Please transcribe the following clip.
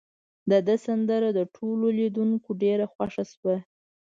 د ده سندره د ټولو لیدونکو ډیره خوښه شوه.